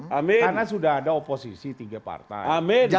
karena sudah ada oposisi tiga partai